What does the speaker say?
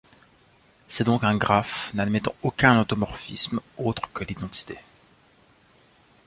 C'est donc un graphe n'admettant aucun automorphisme autre que l'identité.